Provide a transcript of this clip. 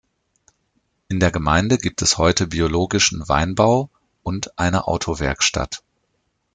In der Gemeinde gibt es heute biologischen Weinbau und eine Autowerkstatt.